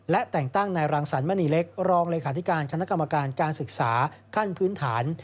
และแต่งตั้งนายรังสรรคมณีเล็กรองเลขาธิการคณะกรรมการการศึกษาขั้นพื้นฐาน